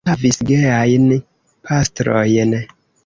Ili havis geajn pastrojn.